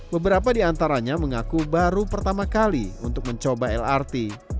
beberapa diantaranya mengaku baru pertama kali untuk mencoba lrt